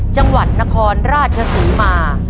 จังหวัดนครราชศรีมา